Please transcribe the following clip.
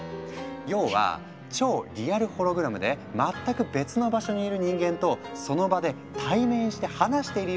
要は超リアルホログラムで全く別の場所にいる人間とその場で対面して話しているような感覚が可能に。